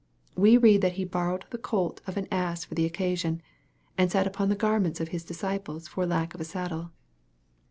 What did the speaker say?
We read that He borrowed the colt of an ass for the occasion, and sat upon the garments o^ His disciples for lack of a saddle.